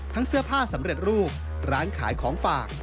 เสื้อผ้าสำเร็จรูปร้านขายของฝาก